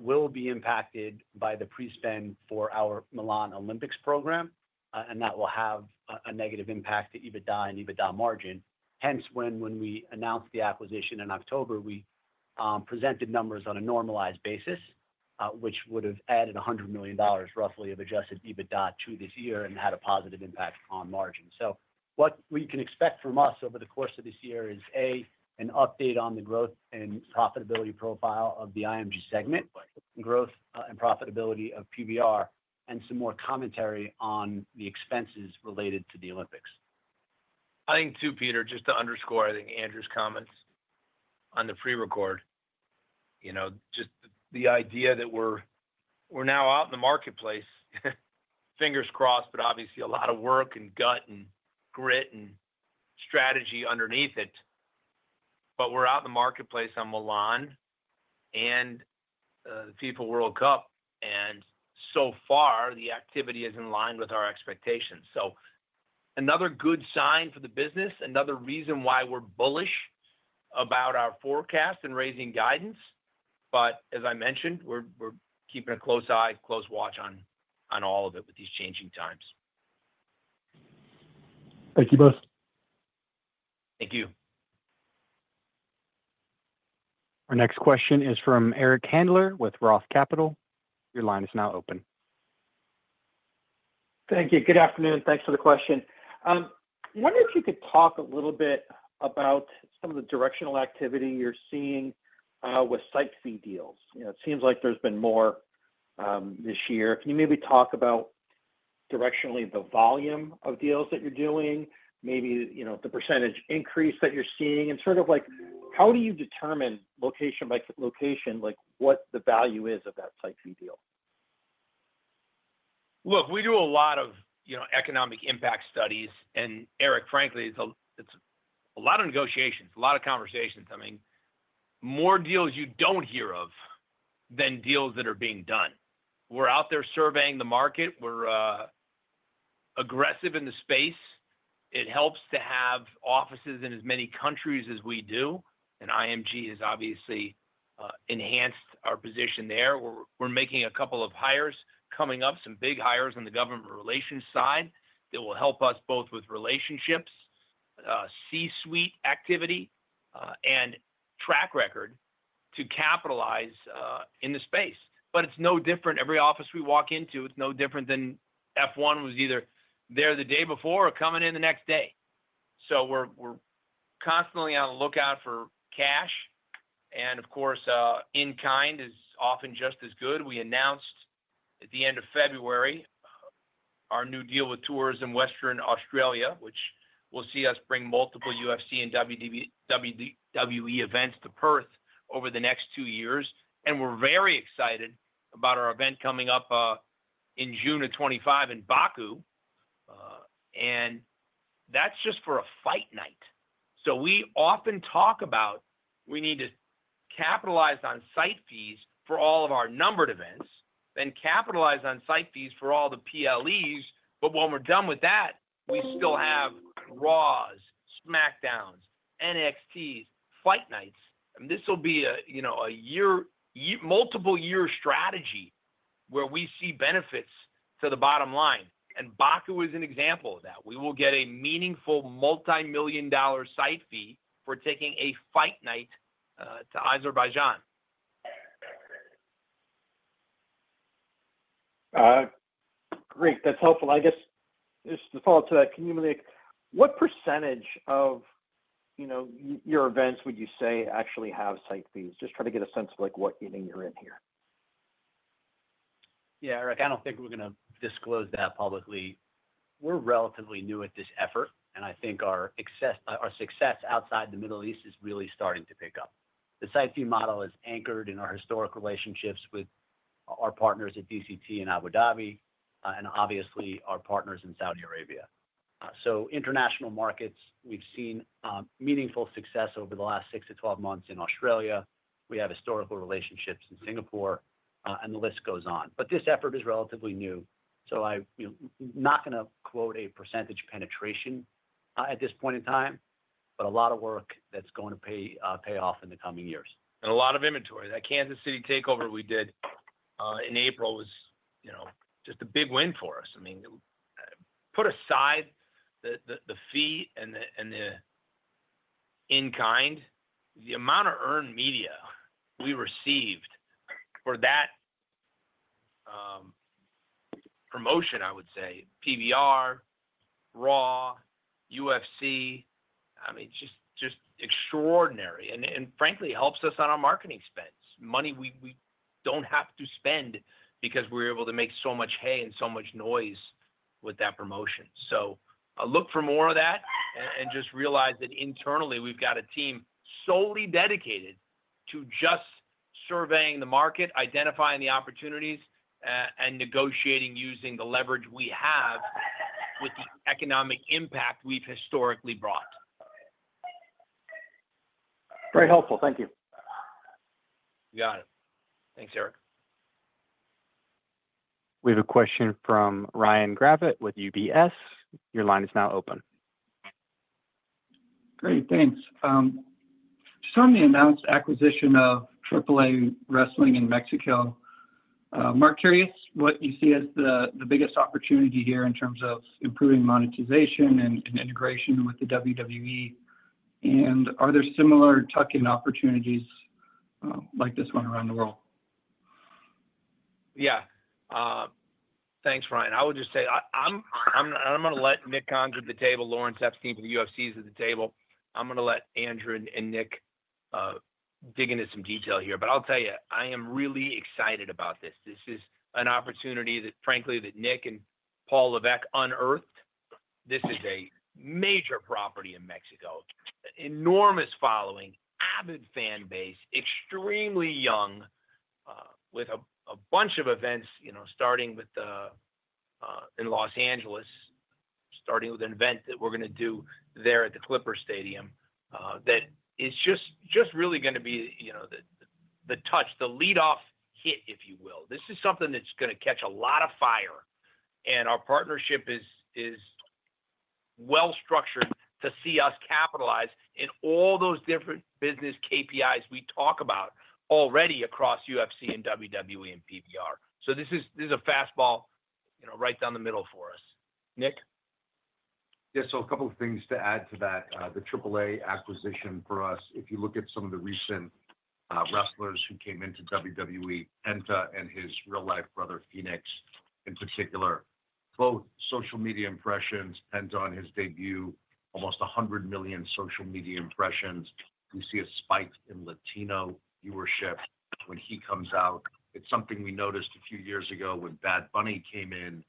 will be impacted by the pre-spend for our Milan Olympics program, and that will have a negative impact to EBITDA and EBITDA margin. Hence, when we announced the acquisition in October, we presented numbers on a normalized basis, which would have added $100 million, roughly, of adjusted EBITDA to this year and had a positive impact on margin. What we can expect from us over the course of this year is, A, an update on the growth and profitability profile of the IMG segment, growth and profitability of PBR, and some more commentary on the expenses related to the Olympics. I think too, Peter, just to underscore, I think Andrew's comments on the pre-record, just the idea that we're now out in the marketplace, fingers crossed, but obviously a lot of work and gut and grit and strategy underneath it. But we're out in the marketplace on Milan and FIFA World Cup, and so far, the activity is in line with our expectations. So another good sign for the business, another reason why we're bullish about our forecast and raising guidance. But as I mentioned, we're keeping a close eye, close watch on all of it with these changing times. Thank you both. Thank you. Our next question is from Eric Handler with ROTH Capital. Your line is now open. Thank you. Good afternoon. Thanks for the question. I wonder if you could talk a little bit about some of the directional activity you're seeing with site fee deals. It seems like there's been more this year. Can you maybe talk about directionally the volume of deals that you're doing, maybe the percentage increase that you're seeing? And sort of how do you determine location by location what the value is of that site fee deal? Look, we do a lot of economic impact studies. And Eric, frankly, it's a lot of negotiations, a lot of conversations. I mean, more deals you don't hear of than deals that are being done. We're out there surveying the market. We're aggressive in the space. It helps to have offices in as many countries as we do. And IMG has obviously enhanced our position there. We're making a couple of hires coming up, some big hires on the government relations side that will help us both with relationships, C-suite activity, and track record to capitalize in the space. But it's no different. Every office we walk into, it's no different than F1 was either there the day before or coming in the next day. So we're constantly on the lookout for cash. And of course, in kind is often just as good. We announced at the end of February our new deal with Tourism Western Australia, which will see us bring multiple UFC and WWE events to Perth over the next two years. And we're very excited about our event coming up in June of 2025 in Baku. And that's just for a fight night. So we often talk about we need to capitalize on site fees for all of our numbered events, then capitalize on site fees for all the PLEs. But when we're done with that, we still have Raws, SmackDowns, NXTs, Fight Nights. And this will be a multiple-year strategy where we see benefits to the bottom line. Baku is an example of that. We will get a meaningful $ multi-million-dollar site fee for taking a Fight Night to Azerbaijan. Great. That's helpful. I guess just to follow up to that, can you tell me what percentage of your events would you say actually have site fees? Just try to get a sense of what you mean you're in here. Yeah, Eric, I don't think we're going to disclose that publicly. We're relatively new at this effort, and I think our success outside the Middle East is really starting to pick up. The site fee model is anchored in our historic relationships with our partners at DCT and Abu Dhabi and obviously our partners in Saudi Arabia. So international markets, we've seen meaningful success over the last 6-12 months in Australia. We have historical relationships in Singapore, and the list goes on. This effort is relatively new. I'm not going to quote a percentage penetration at this point in time, but a lot of work that's going to pay off in the coming years. A lot of inventory. That Kansas City takeover we did in April was just a big win for us. I mean, put aside the fee and the in-kind, the amount of earned media we received for that promotion. I would say PBR, Raw, UFC. I mean, just extraordinary. Frankly, it helps us on our marketing spends. Money we don't have to spend because we're able to make so much hay and so much noise with that promotion. So look for more of that and just realize that internally we've got a team solely dedicated to just surveying the market, identifying the opportunities, and negotiating using the leverage we have with the economic impact we've historically brought. Very helpful. Thank you. You got it. Thanks, Eric. We have a question from Ryan Gravett with UBS. Your line is now open. Great. Thanks. Just on the announced acquisition of AAA Wrestling in Mexico, Mark, curious what you see as the biggest opportunity here in terms of improving monetization and integration with the WWE? And are there similar tuck-in opportunities like this one around the world? Yeah. Thanks, Ryan. I would just say I'm going to let Nick Khan is at the table, Lawrence Epstein for the UFC is at the table. I'm going to let Andrew and Nick dig into some detail here. But I'll tell you, I am really excited about this. This is an opportunity that, frankly, that Nick and Paul Levesque unearthed. This is a major property in Mexico. Enormous following, avid fan base, extremely young, with a bunch of events starting in Los Angeles, starting with an event that we're going to do there at the Intuit Dome that is just really going to be the touch, the lead-off hit, if you will. This is something that's going to catch a lot of fire. And our partnership is well-structured to see us capitalize in all those different business KPIs we talk about already across UFC and WWE and PBR. So this is a fastball right down the middle for us. Nick? Yeah. So a couple of things to add to that. The AAA acquisition for us, if you look at some of the recent wrestlers who came into WWE, Penta and his real-life brother Fénix, in particular, both social media impressions, Penta on his debut, almost 100 million social media impressions. We see a spike in Latino viewership when he comes out. It's something we noticed a few years ago when Bad Bunny came in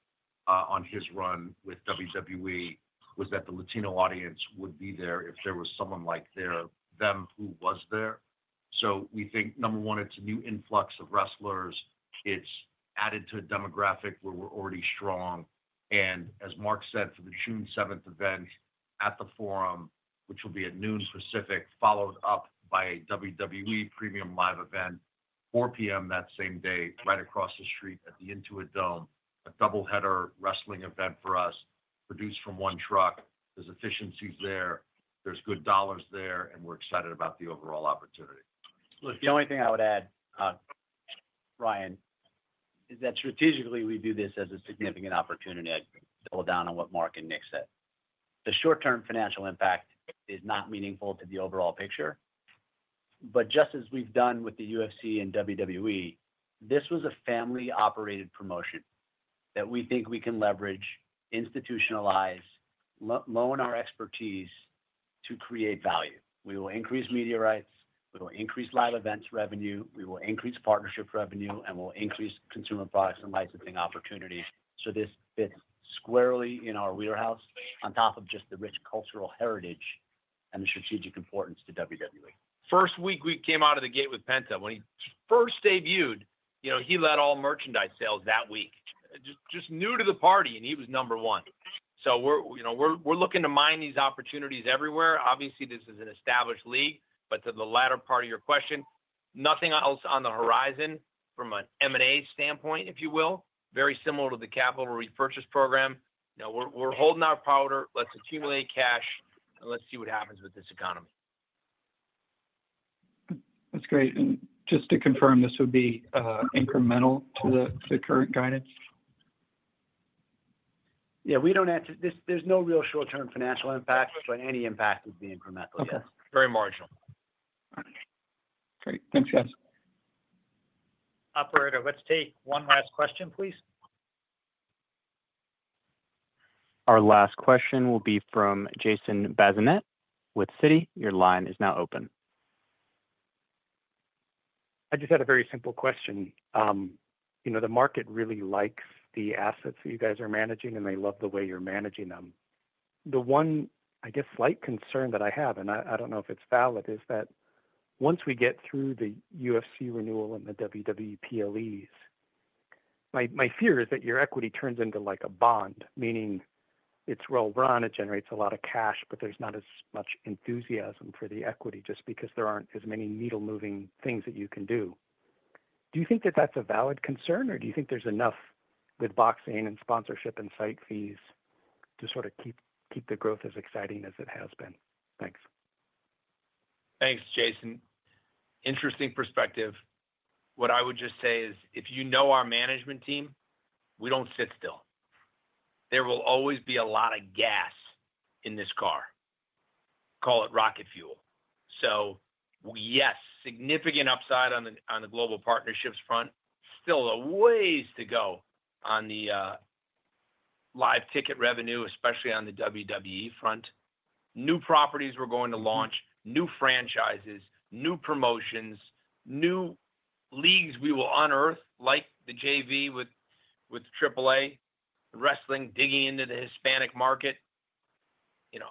on his run with WWE, was that the Latino audience would be there if there was someone like them who was there. So we think, number one, it's a new influx of wrestlers. It's added to a demographic where we're already strong. As Mark said, for the June 7th event at The Forum, which will be at 12:00 P.M. Pacific, followed up by a WWE Premium Live Event, 4:00 P.M. that same day, right across the street at the Intuit Dome, a double-header wrestling event for us, produced from one truck. There are efficiencies there. There are good dollars there, and we're excited about the overall opportunity. The only thing I would add, Ryan, is that strategically we view this as a significant opportunity. I double down on what Mark and Nick said. The short-term financial impact is not meaningful to the overall picture. But just as we've done with the UFC and WWE, this was a family-operated promotion that we think we can leverage, institutionalize, lend our expertise to create value. We will increase media rights. We will increase live events revenue. We will increase partnership revenue, and we'll increase consumer products and licensing opportunities. So this fits squarely in our wheelhouse on top of just the rich cultural heritage and the strategic importance to WWE. First week we came out of the gate with Penta, when he first debuted, he led all merchandise sales that week. Just new to the party, and he was number one. So we're looking to mine these opportunities everywhere. Obviously, this is an established league. But to the latter part of your question, nothing else on the horizon from an M&A standpoint, if you will, very similar to the capital repurchase program. We're holding our powder. Let's accumulate cash, and let's see what happens with this economy. That's great. And just to confirm, this would be incremental to the current guidance? Yeah. There's no real short-term financial impact, but any impact would be incremental. Yes. Very marginal. Great. Thanks, guys. Operator, let's take one last question, please. Our last question will be from Jason Bazinet with Citigroup. Your line is now open. I just had a very simple question. The market really likes the assets that you guys are managing, and they love the way you're managing them. The one, I guess, slight concern that I have, and I don't know if it's valid, is that once we get through the UFC renewal and the WWE PLEs, my fear is that your equity turns into a bond, meaning it's well-run, it generates a lot of cash, but there's not as much enthusiasm for the equity just because there aren't as many needle-moving things that you can do. Do you think that that's a valid concern, or do you think there's enough with boxing and sponsorship and site fees to sort of keep the growth as exciting as it has been? Thanks. Thanks, Jason. Interesting perspective. What I would just say is, if you know our management team, we don't sit still. There will always be a lot of gas in this car. Call it rocket fuel. So yes, significant upside on the global partnerships front. Still a ways to go on the live ticket revenue, especially on the WWE front. New properties we're going to launch, new franchises, new promotions, new leagues we will unearth, like the JV with AAA, wrestling, digging into the Hispanic market.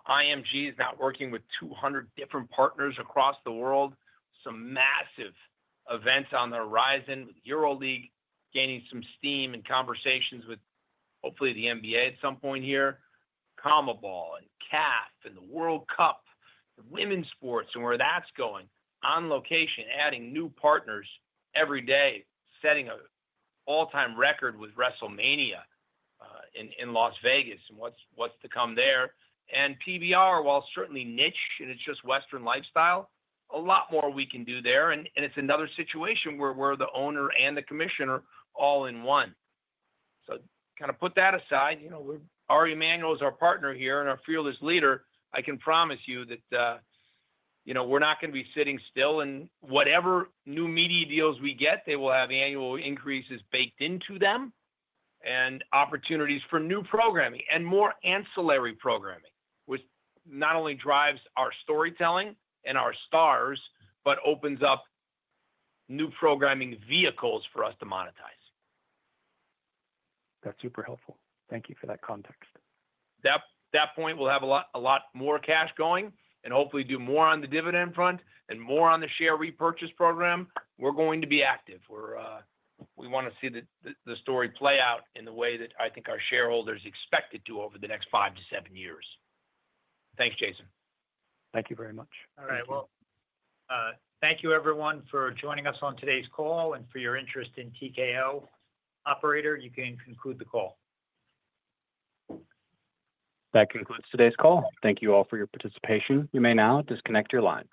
IMG is now working with 200 different partners across the world. Some massive events on the horizon. EuroLeague gaining some steam and conversations with, hopefully, the NBA at some point here. CONMEBOL and CAF and the World Cup, women's sports and where that's going, On Location adding new partners every day, setting an all-time record with WrestleMania in Las Vegas and what's to come there, and PBR, while certainly niche, and it's just Western lifestyle, a lot more we can do there, and it's another situation where we're the owner and the commissioner all in one, so kind of put that aside. Ari Emanuel is our partner here and our fearless leader. I can promise you that we're not going to be sitting still, and whatever new media deals we get, they will have annual increases baked into them and opportunities for new programming and more ancillary programming, which not only drives our storytelling and our stars, but opens up new programming vehicles for us to monetize. That's super helpful. Thank you for that context. At that point, we'll have a lot more cash going and hopefully do more on the dividend front and more on the share repurchase program. We're going to be active. We want to see the story play out in the way that I think our shareholders expect it to over the next five to seven years. Thanks, Jason. Thank you very much. All right. Well, thank you, everyone, for joining us on today's call and for your interest in TKO. Operator, you can conclude the call. That concludes today's call. Thank you all for your participation. You may now disconnect your line.